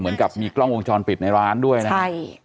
เหมือนกับมีกล้องวงจรปิดในร้านด้วยนะครับใช่